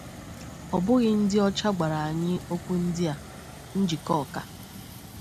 Ọ bụghị ndị Ọcha gwara anyị okwu ndịa: Njikọ ka